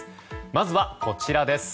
まずは、こちら。